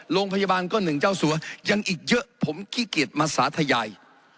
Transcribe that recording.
โรงพยาบาลก็หนึ่งเจ้าสัวยังอีกเยอะผมขี้เกียจมาสาธยาย